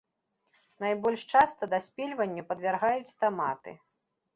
Найбольш часта даспельванню падвяргаюць таматы.